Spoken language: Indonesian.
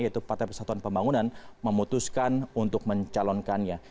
yaitu partai persatuan pembangunan memutuskan untuk mencalonkannya